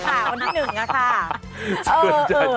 อากาศเงินชะตาวนที่๑ค่ะ